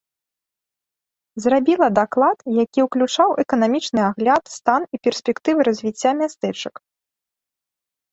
Зрабіла даклад, які уключаў эканамічны агляд, стан і перспектывы развіцця мястэчак.